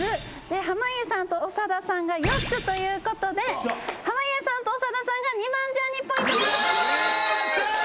濱家さんと長田さんが４つということで濱家さんと長田さんが２万ジャーニーポイント獲得です！